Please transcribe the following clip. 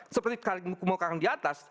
seperti yang di atas